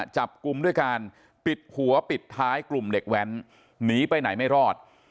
จับกลุ่มด้วยการปิดหัวปิดท้ายกลุ่มเด็กแว้นหนีไปไหนไม่รอด